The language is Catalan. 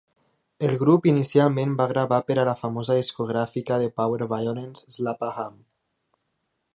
El grup inicialment va gravar per a la famosa discogràfica de powerviolence Slap-a-Ham.